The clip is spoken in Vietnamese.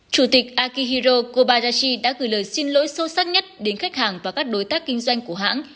chủ tịch akihiro kobayashi đã gửi lời xin lỗi sâu sắc nhất đến khách hàng và các đối tác kinh doanh của hãng